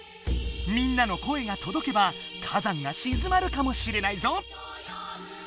みんなの声がとどけば火山がしずまるかもしれないぞ！